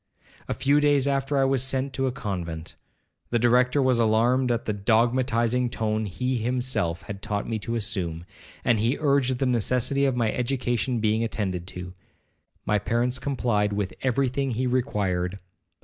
A few days after I was sent to a convent. The Director was alarmed at the dogmatizing tone he himself had taught me to assume, and he urged the necessity of my education being attended to. My parents complied with every thing he required.